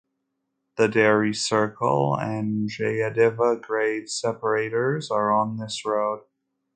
The Diary Circle and the Jayadeva grade separators are on this road.